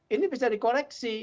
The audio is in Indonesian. ini bisa dikoreksi